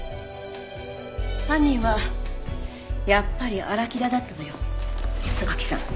犯人はやっぱり荒木田だったのよ榊さん。